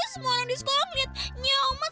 semua orang di sekolah ngeliat nyelmat